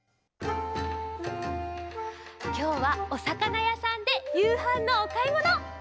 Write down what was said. きょうはおさかなやさんでゆうはんのおかいもの。